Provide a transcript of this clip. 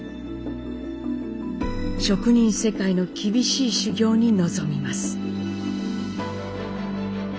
職人世界の厳しい修業に臨みます。